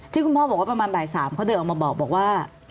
ที่คุณพ่อบอกว่าประมาณบ่าย๓เขาเดินออกมาบอกว่า